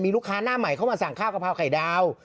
ลูกค้าหน้าใหม่เข้ามาสั่งข้าวกะเพราไข่ดาว